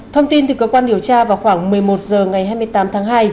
thông tin từ cơ quan điều tra vào khoảng một mươi một h ngày hai mươi tám tháng hai